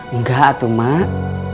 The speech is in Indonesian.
enggak atu mak